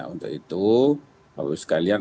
untuk itu bapak ibu sekalian